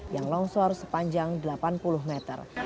yang longsor sepanjang delapan puluh meter